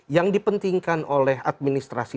yang dipentingkan oleh administrasi